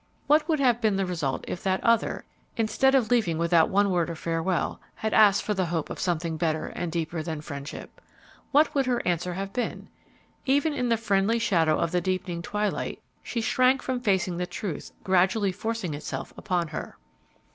What would have been the result if that other, instead of leaving without one word of farewell, had asked for the hope of something better and deeper than friendship? What would her answer have been? Even in the friendly shadow of the deepening twilight she shrank from facing the truth gradually forcing itself upon her.